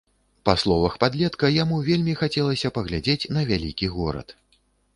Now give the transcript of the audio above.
Па словах падлетка, яму вельмі хацелася паглядзець на вялікі горад.